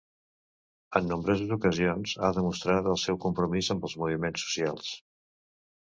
En nombroses ocasions ha mostrat el seu compromís amb els moviments socials.